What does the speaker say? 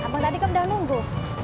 abang tadi kan udah nunggu